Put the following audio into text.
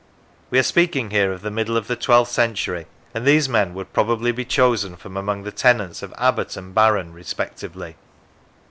We are speaking here of the middle of the twelfth century, and these men would probably be chosen from among the tenants of Abbot and Baron respectively.